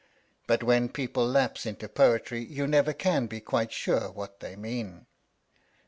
But when people lapse into poetry you never can be quite sure what they mean.